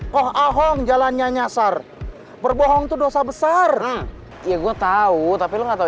kok ahong jalannya nyasar berbohong dosa besar ya gua tahu tapi lo nggak tahu